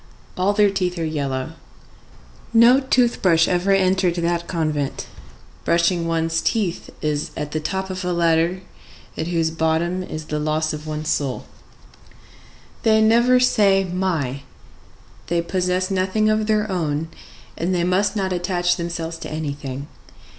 All their teeth are yellow. No tooth brush ever entered that convent. Brushing one's teeth is at the top of a ladder at whose bottom is the loss of one's soul. They never say my. They possess nothing of their own, and they must not attach themselves to anything.